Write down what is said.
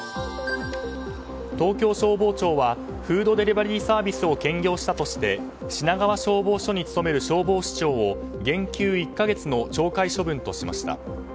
東京消防庁はフードデリバリーサービスを兼業したとして品川消防署に努める消防士長を減給１か月の懲戒処分としました。